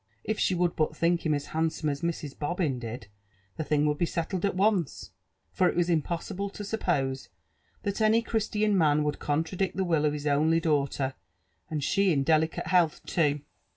If she would but think him as handsome as Mrs. Bobbin did, the thing would be settled at once; for it was im possible to suppose that any Christian man would contradict ihe will of his only daughter, and she in delicate health too.